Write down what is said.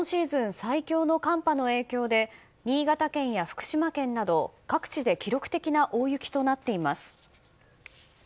最強の寒波の影響で新潟県や福島県など各地で記録的な大雪となっています。